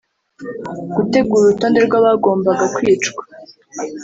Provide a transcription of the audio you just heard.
gutegura urutonde rw’abagombaga kwicwa